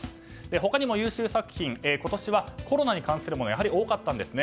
他にも優秀作品今年はコロナに関するものがやはり多かったんですね。